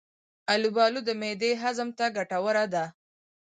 البالو د معدې هضم ته ګټوره ده.